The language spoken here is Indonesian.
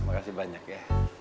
makasih banyak ya